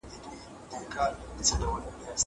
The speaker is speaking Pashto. هغه څوک چي ښوونځی ته ځي زدکړه کوي!